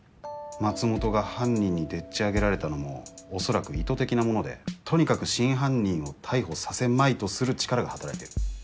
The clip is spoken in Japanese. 松本が犯人にでっちあげられたのも恐らく意図的なものでとにかく真犯人を逮捕させまいとする力が働いてる。